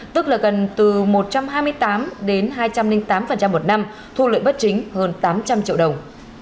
tức là gần từ một trăm hai mươi tám đến hai trăm linh tám một năm thu lợi bất chính hơn tám trăm linh triệu đồng